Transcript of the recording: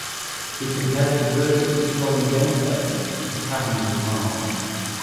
He compared the vertically scrolling gameplay to "Caverns of Mars".